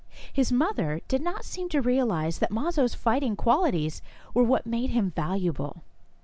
His mother did not seem to realize that Mazo's fighting qualities were what made him valuable.